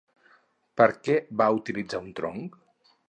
Per a què va utilitzar un tronc?